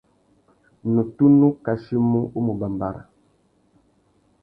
Nnú tunu kachimú u mù bàmbàra.